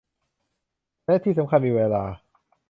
และที่สำคัญมีเวลา